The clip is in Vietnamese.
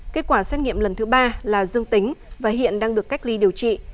kết quả xét nghiệm lần thứ ba là dương tính và hiện đang được cách ly điều trị